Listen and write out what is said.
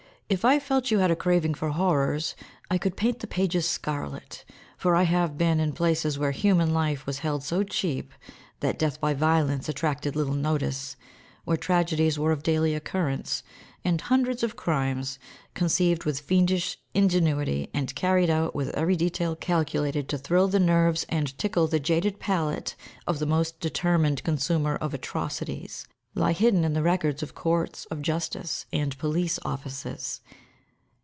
If I felt you had a craving for horrors I could paint the pages scarlet; for I have been in places where human life was held so cheap that death by violence attracted little notice, where tragedies were of daily occurrence, and hundreds of crimes, conceived with fiendish ingenuity and carried out with every detail calculated to thrill the nerves and tickle the jaded palate of the most determined consumer of "atrocities," lie hidden in the records of Courts of Justice and Police Offices.